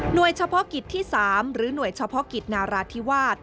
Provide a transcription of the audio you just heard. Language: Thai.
โดยเฉพาะกิจที่๓หรือหน่วยเฉพาะกิจนาราธิวาส